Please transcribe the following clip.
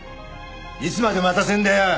いつまで待たせるんだよ！